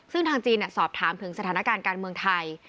ซึ่งทางจีนสอบถามถึงสถานการณ์การเมืองไทย